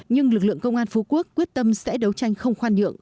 nhưng lực lượng công an phú quốc quyết tâm sẽ đấu tranh không khoan nhượng